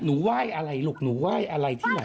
ไหว้อะไรลูกหนูไหว้อะไรที่ไหน